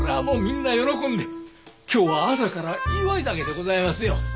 もうみんな喜んで今日は朝から祝い酒でございますよ。